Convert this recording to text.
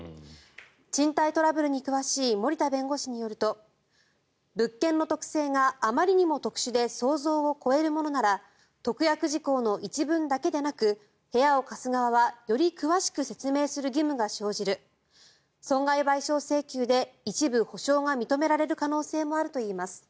賃貸トラブルに詳しい森田弁護士によると物件の特性があまりにも特殊で想像を超えるものなら特約事項の一文だけでなく部屋を貸す側はより詳しく説明する義務が生じる損害賠償請求で一部、補償が認められる可能性もあるといいます。